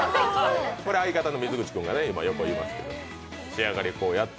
これ相方の水口君が横にいますけど。